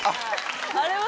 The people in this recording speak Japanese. あれは？